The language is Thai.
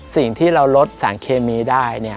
สิ่งที่เราลดสารเคมีได้